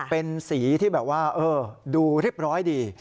เป็นสีที่แบบว่าดูเรียบร้อยดี